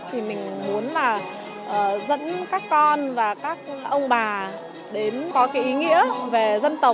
thì mình muốn là dẫn các con và các ông bà đến có cái ý nghĩa về dân tộc